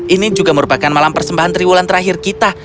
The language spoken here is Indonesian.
ini juga merupakan malam persembahan triwulan terakhir kita